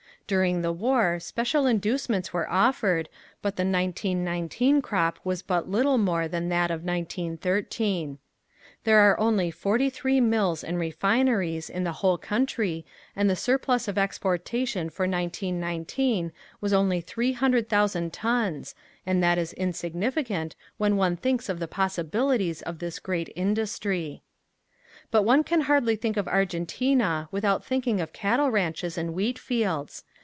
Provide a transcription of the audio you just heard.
During the war special inducements were offered but the 1919 crop was but little more than that of 1913. There are only forty three mills and refineries in the whole country and the surplus for exportation for 1919 was only three hundred thousand tons and that is insignificant when one thinks of the possibilities of this great industry. But one can hardly think of Argentina without thinking of cattle ranches and wheat fields.